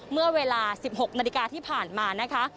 เมื่อเวลา๑๖นาฬิกาที่ผ่านมานะคะ